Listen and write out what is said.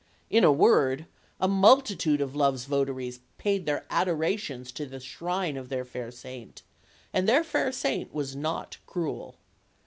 In a word, a multitude of love's votaries paid their adorations to the shrine of their fair saint, and their fair saint was not cruel.